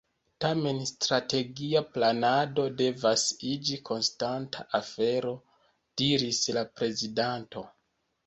Tamen strategia planado devas iĝi konstanta afero, diris la prezidanto.